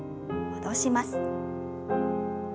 戻します。